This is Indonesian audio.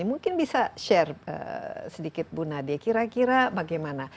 mungkin bisa share sedikit bu nadia kira kira bagaimana